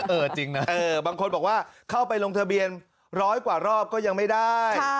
เออจริงนะบางคนบอกว่าเข้าไปลงทะเบียนร้อยกว่ารอบก็ยังไม่ได้